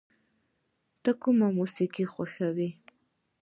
ته کوم موسیقی خوښوې؟